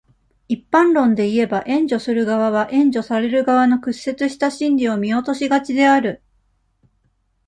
一般論でいえば、援助する側は、援助される側の屈折した心理を見落としがちである。